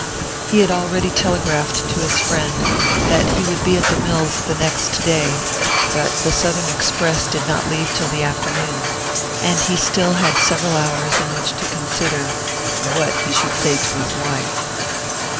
He had already telegraphed to his friend that he would be at the mills the next day; but the southern express did not leave till the afternoon, and he still had several hours in which to consider what he should say to his wife.